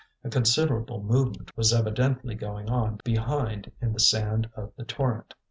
A considerable movement was evidently going on behind in the sand of the Torrent.